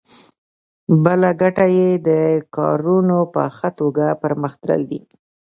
بله ګټه یې د کارونو په ښه توګه پرمخ تلل دي.